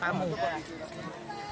pihak taman wisata candi borobudur